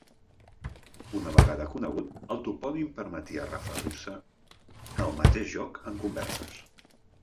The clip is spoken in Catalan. Una vegada conegut, el topònim permetia referir-se al mateix lloc en converses.